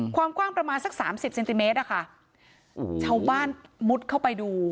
ความกว้างประมาณสักสามสิบเซนติเมตรอะค่ะชาวบ้านมุดเข้าไปดู